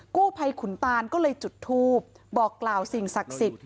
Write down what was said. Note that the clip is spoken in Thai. กู้ภัยขุนตานก็เลยจุดทูปบอกกล่าวสิ่งศักดิ์สิทธิ์